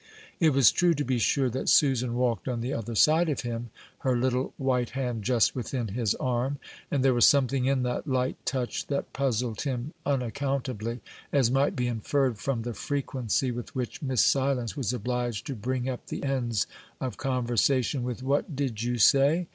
It was true, to be sure, that Susan walked on the other side of him, her little white hand just within his arm; and there was something in that light touch that puzzled him unaccountably, as might be inferred from the frequency with which Miss Silence was obliged to bring up the ends of conversation with, "What did you say?"